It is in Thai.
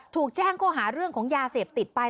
ถูกแจ้งข้อหาเรื่องของยาเสพติดไป